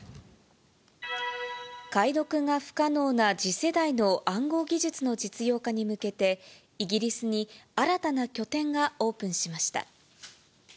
解読が不可能な次世代の暗号技術の実用化に向けて、イギリスに新たな拠点がオープンしました。